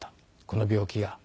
この病気が。